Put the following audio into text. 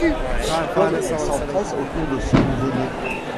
Comme elle s’empresse autour de ce nouveau-né !